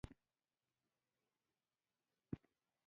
افغانستان کې د مېوو د پرمختګ لپاره ګټورې هڅې روانې دي.